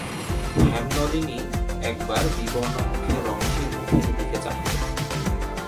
হেমনলিনী একবার বিবর্ণমুখে রমেশের মুখের দিকে চাহিল।